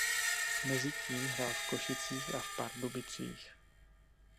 Mezitím hrál v Košicích a v Pardubicích.